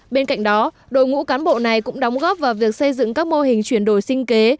bên cạnh đó đội ngũ cán bộ này cũng đóng góp vào việc xây dựng các mô hình chuyển đổi sinh kế